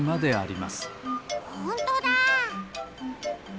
ほんとだ！